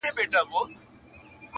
رامعلوم دي د ځنګله واړه کارونه!!